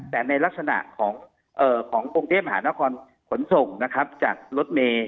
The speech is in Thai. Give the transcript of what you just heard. แต่ในลักษณะขององค์เทพหานครผลส่งจากรถเม๑๒๗๑๑๐